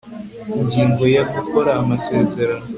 Ingingo ya Gukora amasezerano